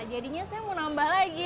jadinya saya mau nambah lagi